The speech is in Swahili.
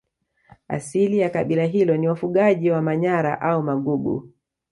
Asili ya kabila hilo ni wafugaji wa Manyara au Magugu